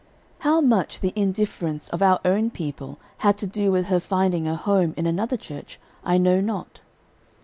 How much the indifference of our own people had to do with her finding a home in another church, I know not.